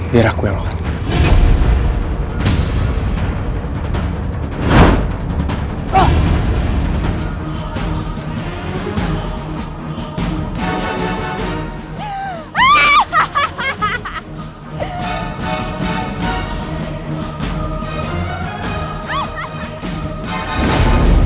biar aku yang mau